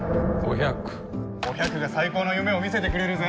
お百が最高の夢をみせてくれるぜ。